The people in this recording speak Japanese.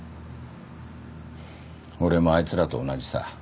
俺もあいつらと同じさ。